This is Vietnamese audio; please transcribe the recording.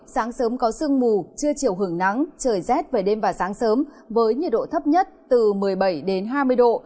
sáng sớm có sương mù trưa chiều hưởng nắng trời rét về đêm và sáng sớm với nhiệt độ thấp nhất từ một mươi bảy đến hai mươi độ